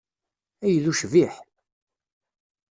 Ay d ucbiḥ!